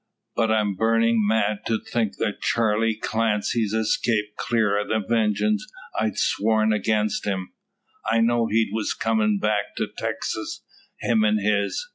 But I'm burnin' mad to think that Charley Clancy's escaped clear o' the vengeance I'd sworn again him. I know'd he was comin' back to Texas, him and his.